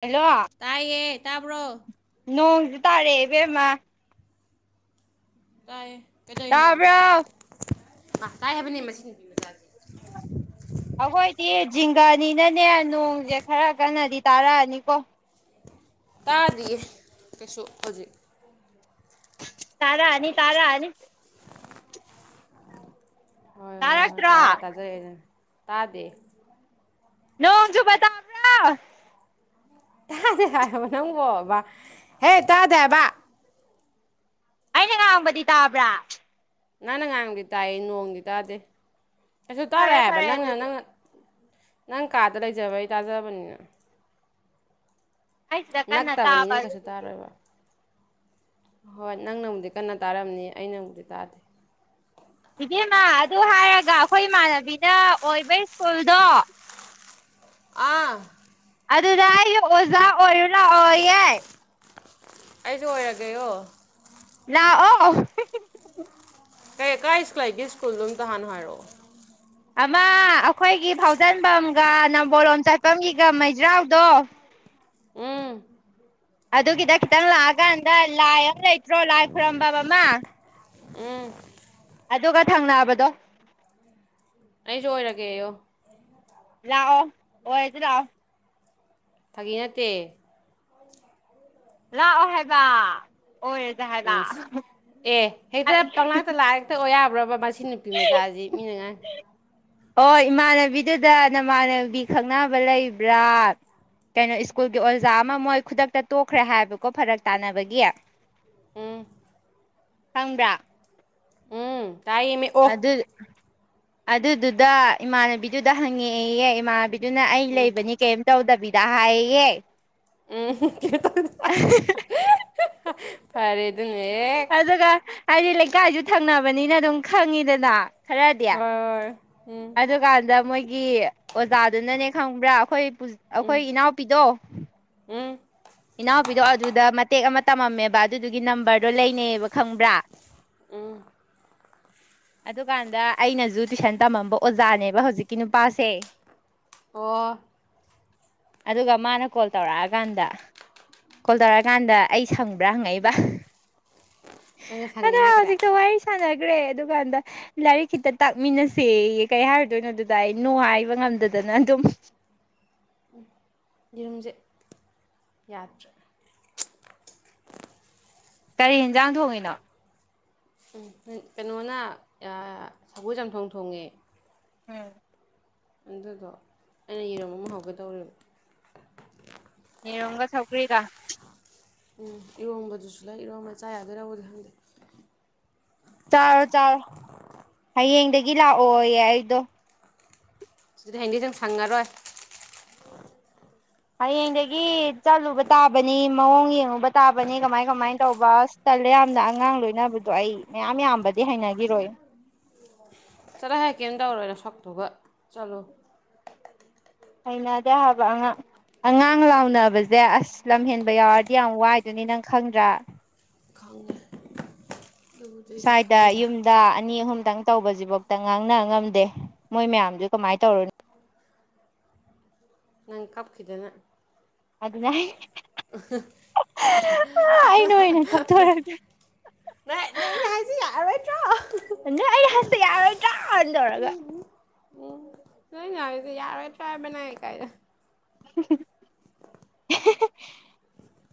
Hello ꯇꯥꯏꯌꯦ ꯇꯥꯕ꯭ꯔꯣ ꯅꯣꯡꯁꯨ ꯇꯥꯔꯛꯑꯦ ꯏꯕꯦꯝꯃ ꯇꯥꯏ ꯀꯩꯗꯧꯅꯣ ꯇꯥꯕ꯭ꯔꯣ ꯑꯥ ꯇꯥꯏ ꯍꯥꯏꯕꯅꯦ ꯃꯁꯤ ꯅꯨꯄꯤ ꯃꯆꯥꯁꯦ [inaudible] ꯑꯩꯈꯣꯏꯗꯤ ꯖꯤꯡꯒꯥꯅꯤꯅꯅꯦ ꯅꯣꯡꯁꯦ ꯈꯔ ꯀꯟꯅꯗꯤ ꯇꯥꯔꯛꯑꯅꯤꯀꯣ ꯇꯥꯗ꯭ꯔꯤꯌꯦ ꯀꯩꯁꯨ ꯍꯧꯖꯤꯛ ꯇꯔꯥꯅꯤ ꯇꯔꯥ ꯑꯅꯤ ꯍꯣꯏ ꯍꯣꯏ ꯍꯣꯏ ꯇꯥꯔꯛꯇ꯭ꯔꯣ ꯇꯥꯔꯑ ꯇꯥꯖꯔꯦꯗꯅ ꯇꯥꯗꯦ ꯅꯣꯡꯆꯨꯕ [unintelligible] ꯇꯥꯗꯦ ꯍꯥꯏꯕ ꯅꯪꯕꯣꯕ ꯍꯦ ꯇꯥꯗꯦ ꯍꯥꯏꯕ ꯑꯩꯅ ꯉꯥꯡꯕꯗꯤ ꯇꯥꯕ꯭ꯔꯥ ꯅꯪꯅ ꯉꯥꯡꯕꯗꯤ ꯇꯥꯏꯌꯦ ꯅꯣꯡꯗꯤ ꯇꯥꯗꯦ ꯀꯩꯁꯨ ꯇꯥꯔꯣꯏ ꯐꯔꯦ ꯍꯥꯏꯕ ꯐꯔꯦ ꯅꯪꯅ ꯑꯗꯨꯗꯤ ꯅꯪꯅ ꯅꯪ ꯀꯥꯗ ꯂꯩꯖꯕꯩ ꯇꯥꯖꯕꯅꯤꯅ ꯑꯩ ꯁꯤꯗ ꯀꯟꯅ ꯇꯥꯕ ꯅꯛꯇꯕꯅꯤꯅ ꯀꯩꯁꯨ ꯑꯗꯨꯗꯨꯒꯤ ꯇꯥꯔꯣꯏꯕ ꯍꯣꯏ ꯅꯪꯅꯕꯨꯗꯤ ꯀꯟꯅ ꯇꯥꯔꯝꯅꯤ ꯑꯩ ꯕꯨꯗꯤ ꯇꯥꯗꯦ ꯏꯕꯦꯝꯃ ꯑꯗꯨ ꯍꯥꯏꯔꯒ ꯑꯩꯈꯣꯏ ꯏꯃꯥꯟꯅꯕꯤꯅ ꯑꯣꯏꯕ ꯁ꯭ꯀꯨꯜꯗꯣ ꯑꯥ ꯑꯗꯨꯗ ꯑꯩꯁꯨ ꯑꯣꯖꯥ ꯑꯣꯏꯔꯨ ꯂꯥꯛꯑꯣꯌꯦ ꯑꯩꯁꯨ ꯑꯣꯏꯔꯒꯦꯌꯣ ꯂꯥꯛꯑꯣ ꯀꯩ [unintelligible] ꯂꯩꯒꯦ ꯁ꯭ꯀꯨꯜꯗꯣ ꯑꯝꯇꯍꯥꯟꯅ ꯍꯥꯏꯔꯛꯑꯣ ꯑꯃꯥ ꯑꯩꯈꯣꯏꯒꯤ ꯐꯥꯎꯖꯟꯐꯝꯒ ꯅꯝꯕꯣꯜ ꯂꯣꯝ ꯆꯠꯐꯝꯒꯤꯒ ꯃꯩꯖꯥꯎꯗꯣ ꯎꯝ ꯑꯗꯨꯒꯤꯗ ꯈꯤꯇꯪ ꯂꯥꯛꯑꯀꯥꯟꯗ ꯂꯥꯏ ꯑꯃ ꯂꯩꯇ꯭ꯔꯣ ꯂꯥꯏ ꯈꯨꯔꯝꯐꯝ ꯑꯃ ꯎꯝ ꯑꯗꯨꯒ ꯊꯪꯅꯕꯗꯣ ꯑꯁꯨ ꯑꯣꯏꯔꯒꯦꯌꯣ ꯂꯥꯛꯑꯣ ꯑꯣꯏꯔꯁꯦ ꯂꯥꯛꯑꯣ ꯐꯥꯒꯤ ꯅꯠꯇꯦ ꯂꯥꯛꯑꯣ ꯍꯥꯏꯕ ꯑꯣꯏꯔ ꯏꯁ ꯑꯦ ꯍꯦꯛꯇ ꯄꯪꯂꯥꯛꯇ ꯂꯥꯛꯑ ꯇ ꯑꯣꯏ ꯌꯥꯕ꯭ꯔꯕ ꯃꯁꯤ ꯅꯨꯄꯤ ꯃꯆꯥꯁꯤ ꯃꯤꯅꯉꯥꯡ ꯑꯣ ꯏꯃꯥꯟꯅꯕꯤꯗꯨꯗ ꯅꯃꯥꯟꯅꯕꯤ ꯈꯪꯅꯕ ꯂꯩꯕ꯭ꯔꯥ ꯀꯩꯅꯣ ꯁ꯭ꯀꯨꯜꯒꯤ ꯑꯣꯖꯥ ꯑꯃ ꯃꯣꯏ ꯈꯨꯗꯛꯇ ꯇꯣꯛꯈ꯭ꯔꯦ ꯍꯥꯏꯕꯀꯣ ꯐꯔꯛ ꯇꯥꯅꯕꯒꯤ ꯎꯝ ꯈꯪꯕꯔꯥ ꯎꯝ ꯇꯥꯏꯌꯦꯃꯦ ꯑꯗꯨ ꯑꯗꯨꯗꯨꯗ ꯏꯃꯥꯟꯅꯕꯤꯗꯨꯗ ꯍꯪꯉꯛꯑꯦꯌꯦ ꯏꯃꯥꯟꯅꯕꯤ ꯑꯗꯨꯅ ꯑꯩ ꯂꯩꯕꯅꯤ ꯀꯔꯤꯝ ꯇꯧꯗꯕꯤꯗ ꯍꯥꯏꯌꯦꯌꯦ ꯑꯝ [unintelligible] ꯐꯔꯦ ꯑꯗꯨꯅꯦꯍꯦꯛ ꯑꯗꯨꯒ ꯍꯥꯏꯗꯤ ꯂꯩꯀꯥꯏꯁꯨ ꯊꯪꯅꯕꯅꯤꯅ ꯑꯗꯨꯝ ꯈꯪꯉꯤꯗꯅ ꯈꯔꯗꯤ ꯍꯣꯏ꯫ ꯎꯝ ꯑꯗꯨꯀꯥꯟꯗ ꯃꯣꯏꯒꯤ ꯑꯣꯖꯥꯗꯨꯅꯅꯦ ꯈꯪꯕ꯭ꯔꯥ ꯑꯩꯈꯣꯏ ꯑꯩꯈꯣꯏ ꯏꯅꯥꯎꯄꯤꯗꯣ ꯎꯝ ꯏꯅꯥꯎꯄꯤꯗꯣ ꯑꯗꯨꯗ ꯃꯇꯦꯛ ꯑꯃ ꯇꯝꯃꯝꯃꯦꯕ ꯑꯗꯨꯗꯨꯒꯤ ꯅꯝꯕꯔꯗꯣ ꯂꯩꯅꯩꯌꯦꯕ ꯈꯪꯕ꯭ꯔꯥ ꯎꯝ [inaudible] ꯍꯧ ꯀꯥꯟꯗ ꯑꯩꯅꯁꯨꯨ ꯇꯨꯏꯁꯟ ꯇꯝꯃꯝꯕ ꯑꯣꯖꯥꯅꯦꯕ ꯍꯧꯖꯤꯛꯀꯤ ꯅꯨꯄꯥꯁꯦ ꯑꯣ ꯑꯗꯨꯒ ꯃꯥꯅ ꯀꯣꯜ ꯇꯧꯔꯛꯑꯀꯥꯟꯗ ꯀꯣꯜ ꯇꯧꯔꯛꯀꯥꯟꯗ ꯑꯩ ꯁꯪꯕ꯭ꯔꯥ ꯍꯪꯉꯛꯏꯕ ꯅꯪꯅ ꯁꯪꯉꯦ ꯑꯗ ꯍꯥꯏꯈ꯭ꯔꯦ ꯍꯧꯖꯤꯛꯇ ꯋꯥꯔꯤ ꯁꯥꯟꯅꯈꯔꯦ ꯑꯗꯨꯀꯥꯟꯗ ꯂꯥꯏꯔꯤꯛ ꯈꯤꯇꯥ ꯇꯥꯛꯃꯤꯟꯅꯁꯦꯌꯦ ꯀꯩ ꯍꯥꯏꯔꯨꯗꯣꯏꯅꯣ ꯑꯗꯨꯗꯥ ꯑꯩ ꯅꯨꯡꯉꯥꯏꯕ ꯉꯝꯗꯗꯅ ꯑꯗꯨꯝ꯫ ꯌꯦꯔꯨꯝꯖꯦ ꯌꯥꯗ꯭ꯔꯦ꯫ ꯀꯔꯤ ꯍꯦꯟꯖꯥꯡ ꯊꯣꯡꯉꯤꯅꯣ? ꯎꯝ ꯀꯩꯅꯣꯅ ꯁꯒꯣꯜ ꯆꯝꯊꯣꯡ ꯊꯣꯡꯉꯦ꯫ ꯎꯝ꯫ ꯑꯗꯨꯗꯣ ꯑꯩꯅ ꯌꯦꯔꯨꯝ ꯑꯃ ꯍꯧꯒꯗꯧꯔꯤꯕ꯫ ꯌꯦꯔꯨꯝꯒ ꯁꯧꯒꯔ꯭ꯤꯒ꯫ ꯎꯝ ꯏꯔꯣꯝꯕꯗꯨꯁꯨ ꯂꯩ ꯏꯔꯣꯝꯕ ꯆꯥ ꯌꯥꯗꯣꯏꯔꯥꯕꯨꯗꯤ ꯈꯪꯗꯦ꯫ ꯆꯥꯔꯣ‌-ꯆꯥꯔꯣ ꯍꯌꯦꯡꯗꯒꯤ ꯂꯥꯛꯑꯣꯌꯦ ꯑꯩꯗꯣ꯫ ꯑꯗꯨꯗꯤ ꯍꯌꯦꯡꯗꯩ ꯑꯗꯨꯝ ꯁꯪꯉꯔꯣꯏ꯫ ꯍꯌꯦꯡꯗꯒꯤ ꯆꯠꯂꯨꯕ ꯇꯥꯕꯅꯤ, ꯃꯑꯣꯡ ꯌꯦꯡꯉꯨꯕ ꯇꯥꯕꯅꯤ ꯀꯃꯥꯏ-ꯀꯃꯥꯏ ꯇꯧꯕ ꯑꯁ꯫ ꯇꯜꯂꯦ ꯌꯥꯝꯅ, ꯑꯉꯥꯡ ꯂꯣꯏꯅꯕꯗꯣ ꯑꯩ, ꯃꯌꯥꯝ ꯌꯥꯝꯕꯗꯤ ꯍꯩꯅꯈꯤꯔꯣꯏ꯫ ꯆꯠꯂꯣ ꯍꯩ ꯀꯦꯝ ꯇꯧꯔꯣꯏ ꯅꯁꯛꯇꯨꯒ ꯆꯠꯂꯨ꯫ ꯍꯩꯅꯗꯦ ꯍꯥꯏꯕ ꯑꯉꯥꯡ꯫ ꯑꯉꯥꯡ ꯂꯥꯎꯅꯕꯁꯦ ꯑꯁ ꯂꯝꯍꯦꯟꯕ ꯌꯥꯎꯔꯗꯤ ꯌꯥꯝ ꯋꯥꯏꯗꯨꯅꯤ ꯅꯪ ꯈꯪꯗ꯭ꯔꯥ? ꯈꯪꯉꯦ ꯑꯗꯨ꯫ ꯁ꯭ꯋꯥꯏꯗ ꯌꯨꯝꯗ ꯑꯅꯤ ꯑꯍꯨꯝꯗꯪ꯫ ꯇꯧꯕꯁꯤꯐꯧꯇ ꯉꯥꯡꯅ ꯉꯝꯗꯦ ꯃꯣꯏ ꯃꯌꯥꯝꯗꯨ ꯀꯃꯥꯏꯅ ꯇꯧꯔꯨꯅꯤ꯫ ꯅꯪ ꯀꯞꯈꯤꯗꯅ꯫ ꯑꯗꯨ ꯅꯦ꯫ ꯑꯩꯅ ꯑꯣꯏꯅ ꯊꯣꯛꯇꯣꯔꯒ [unintelligible] ꯁꯤ ꯌꯥꯔꯔꯣꯏꯇ꯭ꯔꯣ꯫ ꯅꯪ ꯑꯩꯅ ꯍꯥꯏꯔꯤꯁꯦ ꯌꯥꯔꯔꯣꯏꯗ꯭ꯔꯥꯅ ꯇꯧꯔꯒ꯫ ꯎꯝ ꯅꯪ ꯑꯩꯅ‌ꯍꯥꯏꯔꯤꯁꯦ ꯌꯥꯔꯔꯣꯏꯗꯔꯥ ꯍꯥꯏꯕꯅꯦ ꯀꯥꯏꯅꯥ꯫ [unintelligible]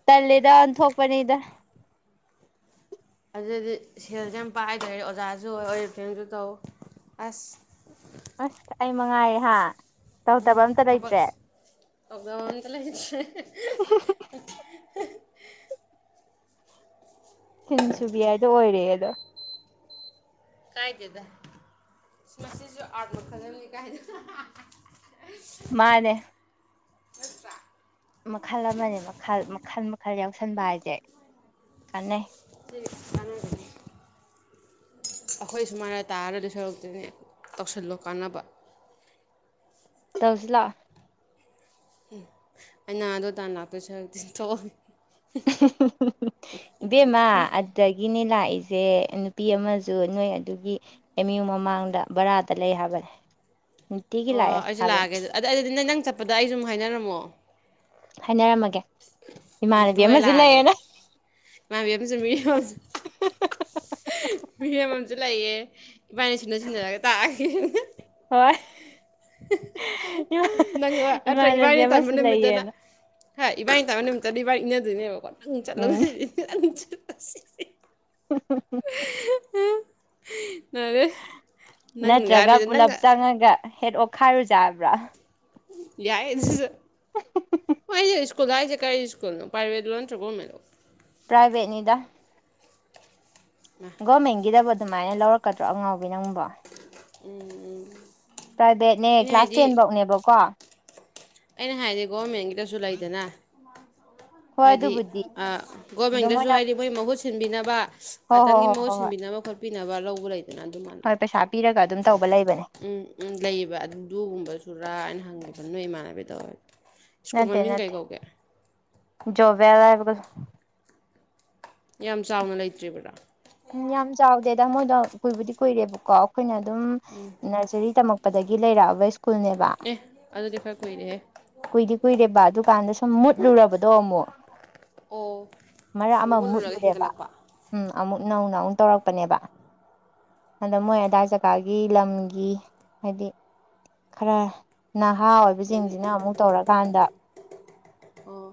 ꯇꯜꯂꯦꯗ ꯑꯣꯟꯊꯣꯛꯄꯅꯤꯗ꯫ ꯑꯗꯨꯗꯤ ꯁꯦꯜꯁꯦ ꯌꯥꯝ ꯄꯥꯏꯗ꯭ꯔꯦ ꯑꯣꯖꯥꯁꯨ ꯑꯣꯏ ꯑꯣꯔꯤꯐꯂꯦꯝꯁꯨ ꯇꯧ ꯑꯁ꯫ ꯑꯁ ꯑꯩ ꯃꯉꯥꯏꯔꯦ ꯍꯥ꯫ ꯇꯧꯗꯕ ꯎꯝ ꯑꯝꯇ ꯂꯩꯇ꯭ꯔꯦ ꯊꯄꯛꯁ ꯇꯧꯖꯕ ꯑꯃꯠꯇ ꯂꯩꯇꯦ꯫ ꯁꯤꯟ ꯁꯨꯕꯤ ꯍꯥꯏꯗꯣ ꯑꯣꯏꯔꯦ ꯑꯗꯣ꯫ ꯀꯥꯏꯗꯦꯗ ꯃꯁꯤꯁꯨ ꯑꯥꯔꯠ ꯃꯈꯜ ꯑꯃꯅꯤ ꯀꯥꯏꯅ꯫ ꯃꯥꯅꯦ꯫ ꯃꯈꯜ ꯑꯃꯅꯦ ꯃꯈꯜ ꯃꯈꯜ ꯃꯈꯜ ꯌꯥꯎꯁꯟꯕꯁꯦ ꯀꯥꯟꯅꯩ꯫ ꯁꯤ ꯆꯥꯅꯗꯦꯅꯦ꯫ ꯑꯩꯈꯣꯏ ꯁꯨꯃꯥꯏꯅ ꯇꯥꯔ ꯂꯩꯗꯣꯏꯁꯔꯨꯛꯄꯨꯗꯤꯅꯦ ꯇꯧꯁꯜꯂꯣ ꯀꯥꯟꯅꯕ꯫ ꯇꯧꯖꯦ ꯂꯥꯛꯑꯣ꯫ ꯎꯝ ꯑꯩꯩꯅ ꯑꯗꯨ ꯇꯥꯟꯅ ꯂꯥꯛꯇꯣꯏ ꯁꯔꯨꯛꯇꯤ ꯊꯣꯛꯎ꯫ [unintelligible] ꯏꯕꯦꯝꯃ ꯑꯗꯨꯗꯒꯤꯅꯦ ꯂꯥꯛꯏꯁꯦ ꯅꯨꯄꯤ ꯑꯃꯁꯨ ꯅꯣꯏ ꯑꯗꯨꯒꯤ꯫ ꯑꯦꯝꯌꯨ ꯃꯃꯥꯡꯗ ꯚꯥꯔꯥꯗ ꯂꯩ ꯍꯥꯏꯕꯅꯦ꯫ ꯅꯨꯡꯇꯤꯒꯤ ꯑꯣ ꯂꯥꯛꯑꯦ ꯑꯩꯁꯨ ꯍꯥꯏꯕꯅꯦ ꯂꯥꯛꯑꯒꯦ ꯑꯗꯨ ꯑꯗ ꯑꯗꯨꯗꯤ ꯅꯪꯅ ꯆꯠꯄꯗ ꯑꯩꯁꯨ ꯑꯗꯨꯨꯝ ꯍꯥꯏꯅꯔꯝꯃꯣ꯫ ꯍꯥꯏꯅꯔꯝꯃꯒꯦ ꯎꯝ ꯏꯃꯥꯟꯅꯕꯤ ꯑꯗꯨꯒ ꯑꯩ ꯑꯃꯁꯨ ꯂꯥꯛꯑꯒꯦ ꯂꯩꯌꯦꯅ꯫ [unintelligible] ꯃꯤꯑꯃꯁꯨ ꯂꯩꯌꯦ ꯏꯕꯥꯅꯤ ꯁꯤꯟꯅ ꯁꯤꯟꯅꯔꯒ ꯇꯥꯛꯑꯒꯦ꯫ ꯍꯣꯏ꯫ ꯅꯪ ꯂꯥ ꯑꯠꯇ꯭ꯔꯥ ꯏꯃꯥꯟꯅꯕꯤ ꯏꯕꯥꯅꯤ ꯇꯟꯕ ꯑꯃꯁꯨ ꯅꯨꯃꯤꯠꯇꯅ ꯂꯩꯌꯦꯅ ꯍꯥꯏ ꯏꯕꯥꯅꯤ ꯇꯟꯕ ꯅꯨꯃꯤꯠꯇꯥꯗꯤ ꯏꯕꯥꯅꯤ ꯏꯟꯅꯗꯣꯏꯅꯦꯕꯀꯣ ꯅꯪ ꯆꯠꯂꯨ ꯎꯝ ꯅꯪ ꯆꯠꯂꯨ ꯁꯤ [unintelligible] ꯂꯣꯏꯔꯦ ꯅꯪꯅꯒꯥ ꯍꯥꯏꯗꯣꯏꯖꯦ ꯅꯪꯒꯥ ꯆꯪꯉꯒꯥ ꯍꯦꯠ ꯑꯣꯈꯥꯏꯔꯨꯖꯦ ꯍꯥꯏꯕ꯭ꯔꯣ ꯌꯥꯏ ꯑꯗꯨꯖꯨ ꯃꯣꯏꯒꯤ ꯁ꯭ꯀꯨꯜ ꯍꯥꯏꯖꯦ ꯀꯔꯤ ꯁ꯭ꯀꯨꯜꯅꯣ ꯄ꯭ꯔꯥꯏꯕꯦꯠꯂꯣ ꯅꯠꯇ꯭ꯔꯥ ꯒꯣꯔꯃꯦꯟꯂꯣ ꯄ꯭ꯔꯥꯏꯚꯦꯠꯅꯤꯗꯥ [unintelligible] ꯒꯣꯔꯃꯦꯟꯒꯤꯗꯕꯨ ꯑꯗꯨꯃꯥꯏꯅ ꯂꯧꯔꯛꯀꯥꯗ꯭ꯔꯣ ꯑꯉꯥꯎꯕꯤ ꯅꯪꯕꯣ ꯎꯝ ꯎꯝ ꯄ꯭ꯔꯥꯏꯚꯦꯠꯅꯦ ꯀ꯭ꯂꯥꯁ ꯇꯦꯟꯕꯧꯅꯦꯕꯀꯣ ꯑꯩꯅ ꯍꯥꯏꯗꯤ ꯒꯣꯔꯚꯃꯦꯟꯒꯤꯗꯁꯨ ꯂꯩꯗꯅ ꯍꯨꯃꯥꯡ ꯁꯧꯔꯀꯟ ꯍꯣꯏ ꯑꯗꯨꯕꯨꯗꯤ ꯑꯥ ꯑꯗꯨꯝ ꯒꯣꯔꯃꯦꯟꯗꯥꯖꯨ ꯃꯣꯏꯅ ꯍꯥꯏꯗꯤ ꯃꯣꯏ ꯃꯍꯨꯠ ꯁꯤꯟꯕꯤꯅꯕ ꯍꯣꯏ ꯍꯣꯏ ꯉꯥꯛꯇꯪꯒꯤ ꯍꯣꯏ ꯃꯍꯨꯠ ꯍꯣꯏ ꯍꯣꯏ ꯁꯤꯟꯕꯤꯅꯕ ꯈꯣꯠ ꯄꯤꯅꯕ ꯂꯧꯕ ꯂꯩꯗꯅ ꯑꯗꯨ ꯃꯥꯟꯕ ꯍꯣꯏ ꯄꯩꯁꯥ ꯄꯤꯔꯒ ꯑꯗꯨꯝ ꯇꯧꯕ ꯂꯩꯕꯅꯦ ꯎꯝ ꯎꯝ ꯂꯩꯌꯦꯕ ꯑꯗꯨꯒꯨꯝꯕꯁꯨꯔꯥ ꯍꯥꯏꯅ ꯍꯪꯉꯤꯕ ꯅꯣꯏ ꯏꯃꯥꯟꯅꯕꯤꯗꯣ ꯅꯠꯇꯦ ꯅꯠꯇꯦ ꯖꯣꯕꯦꯜ ꯂꯥꯏꯕꯒꯁꯨ ꯌꯥꯝ ꯆꯥꯎꯅ ꯂꯩꯇ꯭ꯔꯤꯕꯥꯔꯥ ꯎꯝ ꯌꯥꯝ ꯆꯥꯎꯗꯦ ꯑꯗꯪ ꯃꯣꯏꯗꯣ ꯀꯨꯏꯕꯨꯗꯤ ꯀꯨꯏꯔꯦꯕꯀꯣ ꯑꯈꯣꯏꯅ ꯑꯗꯨꯝ ꯅꯔꯖꯔꯤ ꯇꯝꯃꯛ ꯄꯗꯒꯤ ꯂꯩꯔꯛꯑꯕ ꯁ꯭ꯀꯨꯜꯅꯦꯕ ꯑꯦ ꯑꯗꯨꯗꯤ ꯈꯔ ꯀꯨꯏꯔꯦꯍꯦ ꯀꯨꯏꯗꯤ ꯀꯨꯏꯔꯦꯕ ꯑꯗꯨꯀꯥꯟꯗꯥ ꯁꯨꯝ ꯃꯨꯠꯂꯨꯔꯕꯗꯣ ꯑꯃꯨꯛ ꯑꯣ ꯃꯔꯛ ꯑꯃ ꯃꯨꯠꯂꯨꯔꯒ ꯃꯨꯠꯂꯨꯔꯦꯕ ꯍꯤꯡꯒꯠꯂꯛꯄ ꯎꯝ ꯑꯃꯨꯛ ꯅꯧꯅ ꯑꯃꯨꯛ ꯇꯧꯔꯛꯄꯅꯦꯕ ꯍꯟꯗꯛ ꯃꯣꯏ ꯑꯗꯥꯥꯏ ꯖꯒꯥꯒꯤ ꯂꯝꯒꯤ ꯍꯥꯏꯗꯤ ꯈꯔ ꯅꯍꯥ ꯑꯣꯏꯕꯖꯤꯡꯖꯤꯅ ꯑꯃꯨꯛ ꯇꯧꯔꯀꯥꯟꯗ ꯑꯣ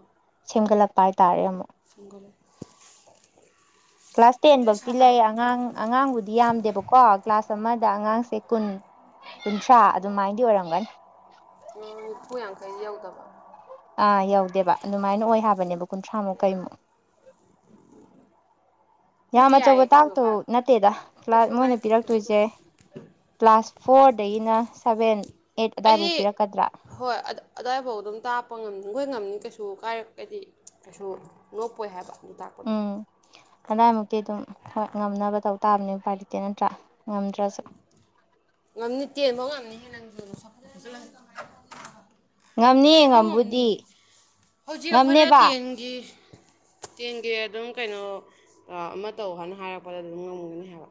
ꯁꯦꯝꯒꯠꯂꯛꯄ ꯍꯥꯏꯇꯥꯔꯦ ꯑꯃꯨꯛ [unintelligible] [inaudible] ꯀ꯭ꯂꯥꯁ ꯇꯦꯟ ꯑꯗꯨꯗꯤ ꯕꯧꯇꯤ ꯁꯥꯇ꯭ꯔ ꯂꯩ ꯑꯉꯥꯡ ꯑꯉꯥꯡꯕꯨꯗꯤ ꯌꯥꯝꯗꯦꯕꯀꯣ ꯀ꯭ꯂꯥꯁ ꯑꯃꯗ ꯑꯉꯥꯡꯁꯦ ꯀꯨꯟ ꯀꯨꯟꯊ꯭ꯔꯥ ꯑꯗꯨꯃꯥꯏꯅꯗꯤ ꯑꯣꯏꯔꯝꯒꯅꯤ [unintelligible] ꯅꯤꯐꯨ ꯌꯥꯡꯈꯩꯗꯤ ꯌꯧꯗꯕ ꯑꯥ ꯌꯧꯗꯦꯕ ꯑꯗꯨꯃꯥꯏꯅ ꯑꯣꯏ ꯍꯥꯏꯕꯅꯦꯕ ꯀꯨꯟꯊ꯭ꯔꯥꯃꯨꯛ ꯀꯩꯃꯨꯛ ꯌꯥꯝ ꯑꯗꯨꯗꯤ ꯑꯆꯧꯕ ꯌꯥꯏꯌꯦ ꯀꯩꯁꯨ ꯇꯥꯛꯇꯨ ꯀꯥꯏ ꯅꯠꯇꯦꯗ ꯀ꯭ꯂꯥ ꯀꯩꯁꯨ ꯃꯣꯏꯅ ꯀꯥꯏꯗꯦ ꯀꯩꯁꯨ ꯄꯤꯔꯛꯇꯣꯏꯖꯦ ꯀꯥꯏ ꯀ꯭ꯂꯥꯁ ꯐꯣꯔꯗꯥꯒꯤꯅ ꯁꯚꯦꯟ ꯑꯩꯠ ꯑꯗꯥꯏꯕꯨꯛ ꯑꯩꯗꯤ ꯄꯤꯔꯛꯀꯥꯗ꯭ꯔꯥ ꯍꯣꯏ ꯑꯠꯗ ꯑꯗꯥꯏꯕꯥꯎ ꯑꯗꯨꯝ ꯇꯥꯛꯄ ꯉꯝꯅꯤ ꯒꯣꯏ ꯉꯝꯅꯤ ꯀꯩꯁꯨ ꯀꯥꯏꯔꯛꯑꯗꯤ ꯀꯩꯁꯨ ꯅꯣꯞꯄꯣꯏ ꯍꯥꯏꯕ ꯑꯗꯨ ꯇꯥꯛꯄꯗꯣ ꯎꯝ ꯑꯗꯥꯏꯃꯨꯛꯇꯤ ꯑꯗꯨꯝ ꯍꯣꯏ ꯉꯝꯅꯕ ꯇꯧ ꯇꯥꯕꯅꯦ ꯎꯄꯥꯏ ꯂꯩꯇꯦ ꯅꯠꯇ꯭ꯔꯥ ꯉꯝꯗ꯭ꯔꯥ ꯉꯝꯅꯤ ꯇꯦꯟꯕꯥꯎ ꯉꯝꯅꯤꯍꯦ ꯅꯪꯖꯨ [unintelligible] ꯉꯝꯅꯤ ꯍꯦꯟꯕ ꯉꯝꯕꯨꯗꯤ ꯉꯝꯅꯤꯌꯦ ꯍꯧꯖꯤꯛ ꯑꯈꯣꯏꯗ ꯉꯝꯅꯦꯕ ꯇꯦꯟꯒꯤ ꯇꯦꯟꯒꯤ ꯑꯗꯨꯝ ꯀꯩꯅꯣ ꯑꯥ ꯑꯃ ꯇꯧ ꯍꯥꯏꯅ ꯍꯥꯏꯔꯛꯄꯗ ꯑꯗꯨꯝ ꯉꯝꯒꯥꯅꯤ ꯍꯥꯏꯕ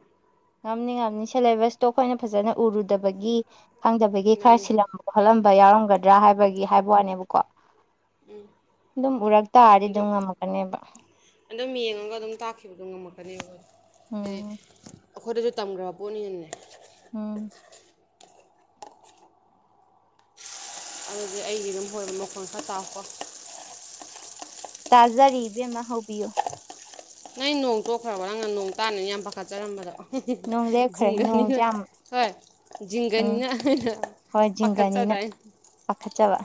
ꯉꯝꯅꯤ ꯉꯝꯅꯤ ꯁꯦꯂꯦꯕꯁꯇꯣ ꯑꯈꯣꯏꯅ ꯐꯖꯅ ꯎꯔꯨꯗꯥꯕꯒꯤ ꯈꯪꯗꯕꯒꯤ ꯈꯔ ꯃꯥꯅꯤ ꯁꯤꯜꯂꯝ ꯈꯣꯠꯂꯝꯕ ꯌꯥꯎꯔꯝꯒꯗ꯭ꯔꯥ ꯍꯥꯏꯕꯒꯤ ꯍꯥꯏꯕ ꯋꯥꯅꯦꯕꯀꯣ ꯑꯗꯨꯝ ꯎꯔꯛ ꯇꯥꯔꯗꯤ ꯑꯗꯨ ꯑꯗꯨꯝ ꯉꯝꯃꯛꯀꯥꯅꯦꯕ ꯑꯗꯨꯝ ꯌꯦꯡꯉꯒ ꯑꯗꯨꯝ ꯇꯥꯛꯈꯤꯕꯗꯣ ꯉꯝꯃꯛꯀꯅꯦꯕ ꯎꯝ ꯑꯈꯣꯏꯗꯁꯨ ꯇꯝꯒ꯭ꯔꯕ ꯄꯣꯠꯅꯤꯅꯅꯦ ꯎꯝ ꯑꯗꯨꯗꯤ ꯑꯩ ꯌꯦꯔꯨꯝ ꯍꯧꯏꯕ ꯃꯈꯣꯟ ꯈꯔ ꯇꯥꯎꯀꯣ ꯇꯥꯖꯔꯤ ꯏꯕꯦꯝꯃ ꯍꯧꯕꯤꯌꯣ ꯅꯣꯏ ꯅꯣꯡ ꯇꯣꯛꯈ꯭ꯔꯕꯣ ꯅꯪꯅ ꯅꯣꯡ ꯇꯥꯅꯦꯅ ꯌꯥꯝ ꯄꯥꯈꯠꯆꯔꯝꯕꯗꯣ ꯅꯣꯡ ꯂꯦꯞꯈ꯭ꯔꯦ ꯖꯤꯡꯒꯅꯤꯅ ꯅꯣꯡꯁꯦ ꯌꯥꯝ ꯍꯣꯏ ꯎꯝ ꯖꯤꯡꯒꯅꯤꯅ ꯍꯣꯏ ꯖꯤꯡꯒꯅꯤꯅ ꯄꯥꯈꯠꯆꯗꯥꯏ ꯄꯥꯈꯠꯆꯕ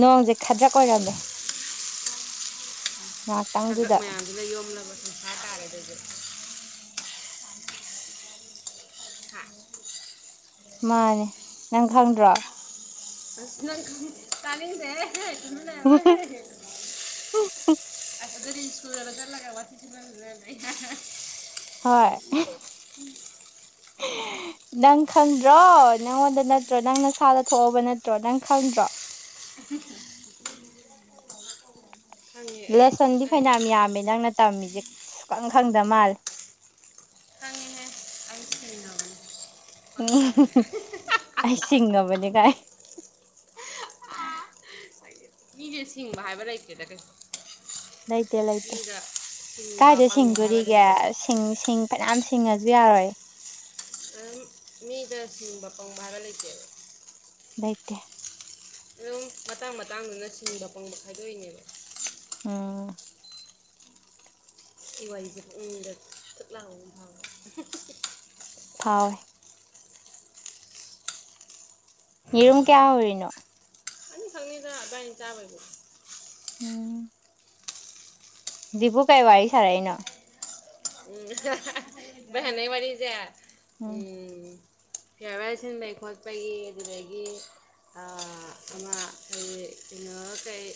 ꯅꯣꯡꯖꯦ ꯈꯗ꯭ꯔꯛ ꯑꯣꯏꯔꯝꯃꯦ ꯈꯥꯗ꯭ꯔꯛ ꯉꯥꯏꯍꯥꯛꯇꯪꯗꯨꯗ ꯃꯌꯥꯝꯁꯤꯅ ꯌꯣꯝꯂꯕ ꯁꯤꯟꯊꯥ ꯇꯥꯔꯦ ꯑꯗꯨꯗꯤ ꯍꯥ ꯃꯥꯅꯦ ꯅꯪ ꯈꯪꯗ꯭ꯔꯣ ꯑꯁ ꯅꯪ ꯈꯪ ꯇꯥꯅꯤꯡꯗꯦ ꯍꯥꯏꯛꯀꯅꯨ ꯅꯪ [unintelligible] ꯑ ꯑꯗꯗꯤ ꯏꯁꯀꯨꯜꯒꯗꯣ ꯆꯠꯂꯒ ꯋꯥꯊꯤ ꯁꯨꯅꯔ ꯂꯣꯏꯔꯝꯃꯅꯤ ꯍꯣꯏ ꯅꯪ ꯈꯪꯗ꯭ꯔꯣ ꯅꯪꯉꯣꯟꯗ ꯅꯠꯇ꯭ꯔꯣ ꯅꯪ ꯅꯁꯥꯗ ꯊꯣꯛꯑꯕ ꯅꯠꯇ꯭ꯔꯣ ꯅꯪ ꯈꯪꯗ꯭ꯔꯣ [unintelligible] ꯈꯪꯉꯦ ꯑꯩ ꯂꯦꯁꯟꯗꯤ ꯑꯩ ꯐꯩꯅꯥꯝ ꯌꯥꯝꯃꯦ ꯅꯪꯅ ꯇꯝꯃꯤꯁꯦ ꯁꯨꯈꯪ ꯈꯪꯗ ꯃꯥꯜꯂꯦ ꯈꯪꯉꯦꯍꯦ ꯑꯩ ꯁꯤꯡꯉꯕꯅꯤ ꯈꯪꯗꯕꯅꯦ [unintelligible] ꯑꯩ ꯁꯤꯡꯉꯕꯅꯦ ꯀꯥꯏ ꯏꯌꯦ ꯁꯤꯡꯕ ꯍꯥꯏꯕ ꯂꯩꯇꯦꯗ ꯀꯩꯁ ꯂꯩꯇꯦ ꯂꯩꯇꯦ ꯁꯤꯡꯕ ꯀꯥꯏꯗ ꯄꯪꯕ ꯍꯥꯏꯕ ꯁꯤꯡꯗꯣꯔꯤꯒꯦ ꯂꯩꯇꯦ ꯁꯤꯡ ꯁꯤꯡ ꯐꯩꯅꯥꯝ ꯁꯤꯡꯉꯁꯨ ꯌꯥꯔꯣꯏ ꯑꯝ ꯃꯤꯗ ꯁꯤꯡꯕ ꯄꯪꯕ ꯍꯥꯏꯕ ꯂꯩꯇꯦꯕ ꯂꯩꯇꯦ ꯑꯗꯨꯝ ꯃꯇꯥꯡ ꯃꯇꯥꯡꯗꯨꯅ ꯁꯤꯡꯕ ꯄꯪꯕ ꯈꯥꯏꯗꯣꯛꯏꯅꯦꯕ ꯎꯝ ꯁꯤ ꯋꯥꯥꯔꯤꯖ ꯄꯨꯛꯅꯤꯡꯗ ꯊꯨꯠ ꯂꯥꯎꯕꯥ ꯑꯝ ꯐꯥꯎꯏꯕ ꯊꯥꯎꯋꯦ ꯌꯦꯔꯨꯝ ꯀꯌꯥ ꯍꯧꯔꯤꯅꯣ ꯑꯅꯤꯈꯛꯅꯤꯗ ꯑꯕꯥꯏꯅꯤ ꯆꯥꯕꯩꯕꯨ ꯎꯝ ꯗꯤꯄꯨ ꯀꯩ ꯋꯥꯔꯤ ꯁꯥꯔꯩꯅꯣ ꯎꯝ [unintelligible] ꯃꯥ ꯁꯥꯅꯩ ꯋꯔꯤꯖꯦ ꯎꯝ ꯐꯤꯌꯥꯔꯋꯦꯜ ꯁꯤꯟꯕꯒꯤ ꯈꯣꯠꯄꯒꯤ ꯑꯗꯨꯗꯒꯤ ꯑꯥ ꯑꯃ ꯑꯩꯩ ꯀꯩꯅꯣꯝꯃ ꯀꯛꯏ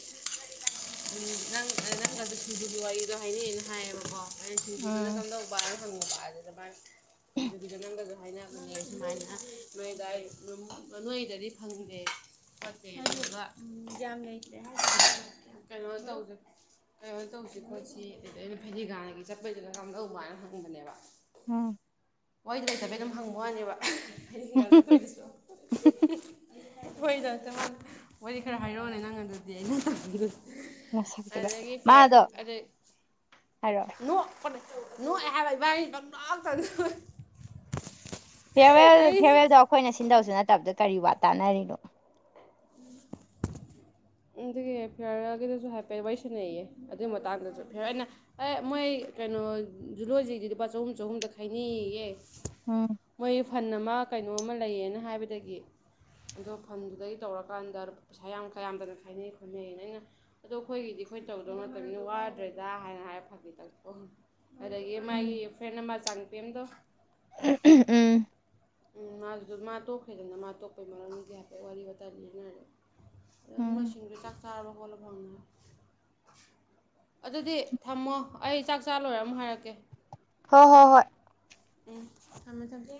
ꯎꯝ ꯅꯪ ꯅꯪꯒꯖꯨ ꯁꯤꯡꯖꯨꯒꯤ ꯋꯥꯔꯤꯗꯣ ꯍꯥꯏꯅꯩꯑꯅ ꯍꯥꯏꯌꯦꯕꯀꯣ ꯑꯩꯅ ꯁꯤꯡꯖꯨ ꯎꯝ ꯂꯧꯕ ꯑꯗ ꯍꯪꯉꯨꯕ ꯑꯗꯨꯗ ꯃꯥꯅ ꯁꯤꯡꯖꯨꯒꯤꯗꯣ ꯅꯪꯒꯖꯨ ꯍꯥꯏꯅ [unintelligible] ꯁꯨꯃꯥꯏꯅ ꯃꯣꯏꯗꯥꯏ ꯅꯣꯏꯗꯗꯤ ꯐꯪꯗꯦ ꯐꯠꯇꯦ ꯑꯗꯨꯗꯨꯒ ꯎꯝ ꯌꯥꯝ ꯂꯩꯇꯦ ꯍꯥꯏꯗꯣ [unintelligible] ꯀꯩꯅꯣ ꯇꯧꯖ ꯀꯩꯅꯣ ꯇꯧꯁꯤ ꯈꯣꯠꯁꯤ ꯑꯗꯨꯗ ꯑꯩꯅ ꯐꯗꯤꯒꯥꯟꯒꯤ ꯆꯠꯄꯩꯁꯤꯅ ꯀꯝꯗꯧꯕ ꯍꯥꯏꯅ ꯍꯪꯕꯅꯦꯕ ꯎꯝ ꯃꯣꯏ ꯂꯩꯇꯕꯩ ꯑꯗꯨꯝ ꯍꯪꯕ ꯋꯥꯅꯦꯕ ꯐꯩꯗꯤꯡꯒꯥ ꯆꯠꯄꯩꯗꯨꯁꯨ ꯋꯔꯤꯗꯣ ꯑꯝꯇ ꯉꯥꯡ ꯋꯥꯔꯤ ꯈꯔ ꯍꯥꯏꯔꯛꯑꯣꯅꯦ ꯅꯪ ꯑꯗꯨꯗꯤ ꯑꯩꯅ ꯍꯪꯕꯗꯣ ꯃꯁꯛꯇꯨꯒ ꯑꯗꯒꯤ ꯐꯦꯔ ꯃꯥꯗꯣ ꯑꯗꯩ ꯍꯥꯏꯔꯛꯑꯣ ꯅꯣꯛ ꯄꯅꯦ ꯅꯣꯑꯦ ꯍꯥꯏꯕ ꯏꯕꯥꯅꯤ ꯄꯪꯅꯣꯛꯇ [unintelligible] ꯐꯤꯌꯔꯋꯦꯜ ꯑꯩ ꯐꯤꯌꯔꯋꯦꯜꯗꯣ ꯑꯈꯣꯏꯅ ꯁꯤꯟꯗꯧꯁꯨ ꯅꯠꯇꯕꯗꯨ ꯀꯔꯤ ꯋꯥ ꯇꯥꯅꯔꯤꯅꯣ [inaudible] ꯎꯝ ꯗꯨꯒꯤ ꯐꯤꯌꯔꯋꯦꯜꯒꯤꯗꯖꯨ ꯍꯥꯏꯄꯦꯠ ꯋꯥꯔꯤ ꯁꯥꯟꯅꯩꯌꯦ ꯑꯗꯨꯢ ꯃꯇꯥꯡꯗꯖꯨ ꯐꯤꯌꯔꯋꯦꯟꯅ ꯑꯦ ꯃꯣꯏ ꯀꯩꯅꯣ ꯖꯨꯂꯣꯟꯖꯤꯗꯤ ꯂꯨꯄꯥ ꯆꯍꯨꯝ ꯆꯍꯨꯝꯗ ꯈꯥꯏꯅꯩꯌꯦ ꯎꯝ ꯃꯣꯏ ꯐꯟ ꯑꯃ ꯀꯩꯅꯣꯝꯃ ꯂꯩꯌꯦꯅ ꯍꯥꯏꯕꯗꯒꯤ ꯑꯗꯣ ꯐꯟꯗꯨꯗꯩ ꯇꯧꯔꯀꯥꯟꯗ ꯄꯩꯁꯥ ꯌꯥꯝ ꯀꯌꯥꯝꯗꯅ ꯈꯥꯏꯅꯩ ꯈꯣꯠꯅꯩꯅ ꯑꯩꯅ ꯑꯗꯣ ꯑꯈꯣꯏꯒꯤꯗꯤ ꯈꯣꯏꯅ ꯇꯧꯗꯧ ꯅꯠꯇꯝꯅꯤꯅ ꯋꯥꯗ꯭ꯔꯦꯗ ꯍꯥꯏꯅ ꯍꯥꯏꯔ ꯐꯥꯒꯤ ꯇꯧꯊꯣꯑꯝꯃꯦ ꯑꯗꯒꯤ ꯃꯥꯒꯤ ꯎꯝ ꯐ꯭ꯔꯦꯟ ꯃꯥ ꯆꯥꯟꯄꯦꯝꯗꯣ ꯎꯝ ꯎꯝ ꯃꯥꯒꯤꯗꯣ ꯃꯥ ꯇꯣꯛꯈ꯭ꯔꯦꯗꯅ ꯃꯥ ꯇꯣꯛꯄꯩ ꯃꯔꯝꯒꯤ ꯍꯥꯏꯐꯦꯠ ꯋꯥꯔꯤ ꯋꯥꯇꯥꯏ ꯂꯤꯟꯅꯔꯦ ꯎꯝ ꯃꯣꯏꯁꯤꯡꯗꯨ ꯆꯥꯛ ꯆꯥꯔꯕ ꯈꯣꯠꯂꯕ ꯍꯪꯅꯔꯦ ꯑꯗꯨꯗꯤ ꯊꯝꯃꯣ ꯑꯩ ꯆꯥꯛ ꯆꯥ ꯂꯣꯏꯔ ꯑꯃꯨꯛ ꯍꯥꯏꯔꯛꯀꯦ ꯍꯣ ꯍꯣ ꯍꯣꯏ ꯎꯝ ꯊꯝꯃꯦ ꯊꯝꯃꯦ